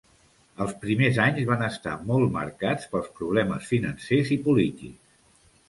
Els primers anys van estar molt marcats pels problemes financers i polítics.